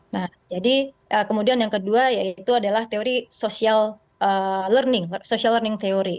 nah jadi kemudian yang kedua yaitu adalah teori social learning social learning teori